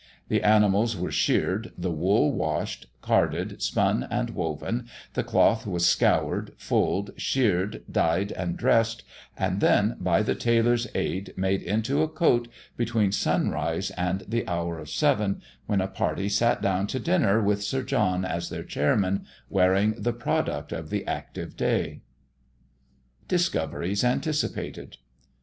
The animals were sheared; the wool washed, carded, spun, and woven; the cloth was scoured, fulled, sheared, dyed, and dressed; and then, by the tailor's aid, made into a coat, between sunrise and the hour of seven, when a party sat down to dinner, with Sir John, as their chairman, wearing the product of the active day! DISCOVERIES ANTICIPATED.